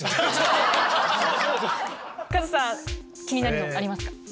カズさん気になるのありますか？